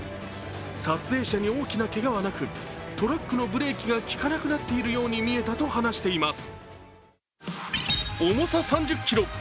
撮影者に大きなけがはなくトラックのブレーキが利かなくなっているように見えたと話しています。